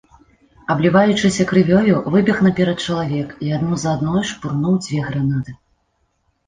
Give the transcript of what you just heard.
Абліваючыся крывёю, выбег наперад чалавек і адну за адной шпурнуў дзве гранаты.